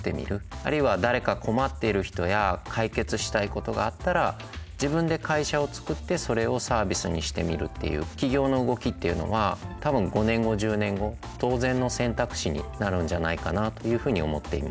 あるいは誰か困ってる人や解決したいことがあったら自分で会社を作ってそれをサービスにしてみるっていう起業の動きっていうのは多分５年後１０年後当然の選択肢になるんじゃないかなというふうに思っています。